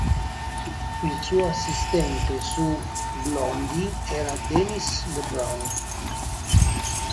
Il suo assistente su "Blondie" era Denis Lebrun.